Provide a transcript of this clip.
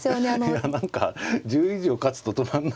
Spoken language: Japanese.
いや何か１０以上勝つと止まんないんだって